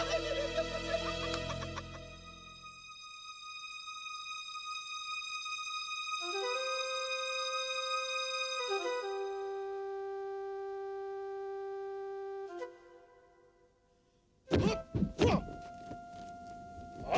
janganlah kau berguna